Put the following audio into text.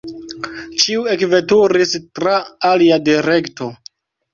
Ĉiu ekveturis tra alia direkto.